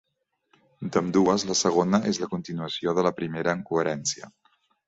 D'ambdues, la segona és la continuació de la primera en coherència.